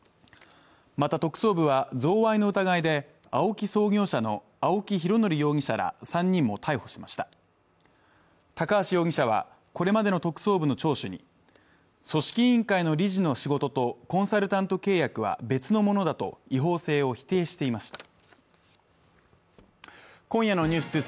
また特捜部は贈賄の疑いでＡＯＫＩ創業者の青木拡憲容疑者ら３人も逮捕しました高橋容疑者はこれまでの特捜部の聴取に組織委員会の理事の仕事とコンサルタント契約は別のものだと違法性を否定していました